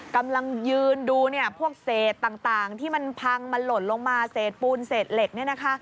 กำลังยืนดูพวกเศษต่างที่พังลดลงมาเศษปูนเศษเหล็ก